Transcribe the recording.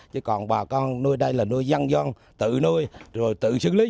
chứ còn bà con nuôi đây là nuôi dân doan tự nuôi rồi tự xử lý